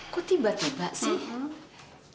kok tiba tiba sih